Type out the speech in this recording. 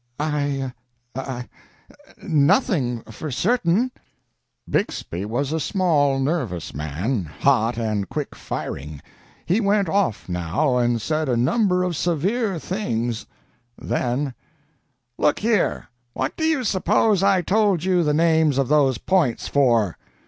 "I I Nothing, for certain." Bixby was a small, nervous man, hot and quick firing. He went off now, and said a number of severe things. Then: "Look here, what do you suppose I told you the names of those points for?"